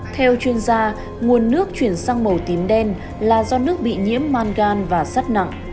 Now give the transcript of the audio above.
theo chuyên gia nguồn nước chuyển sang màu tím đen là do nước bị nhiễm mangan và sắt nặng